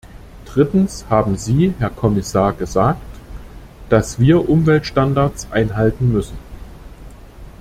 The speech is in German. Drittens haben Sie, Herr Kommissar, gesagt, dass wir Umweltstandards einhalten müssen.